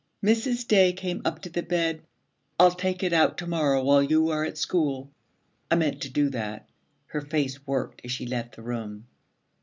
Mrs. Day came up to the bed. 'I'll take it out to morrow while you are at school. I meant to do that.' Her face worked as she left the room.